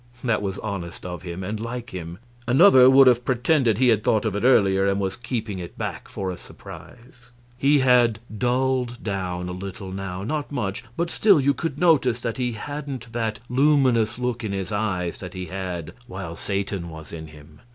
That was honest of him, and like him; another would have pretended he had thought of it earlier, and was keeping it back for a surprise. He had dulled down a little now; not much, but still you could notice that he hadn't that luminous look in his eyes that he had while Satan was in him.